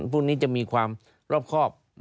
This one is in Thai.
พวกนี้จะมีความรอบครอบ